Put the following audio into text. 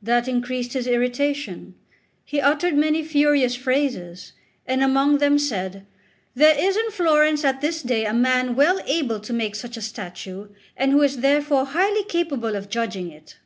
That increased his irritation; he uttered many furious phrases, and among them said: "There is in Florence at this day a man well able to make such a statue, and who is therefore highly capable of judging it."